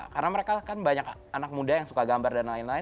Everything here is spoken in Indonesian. karena mereka kan banyak anak muda yang suka gambar dan lain lain